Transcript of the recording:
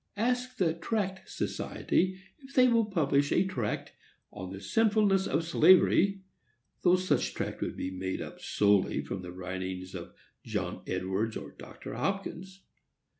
Ask the Tract Society if they will publish a tract on the sinfulness of slavery, though such tract should be made up solely from the writings of Jonathan Edwards or Dr. Hopkins!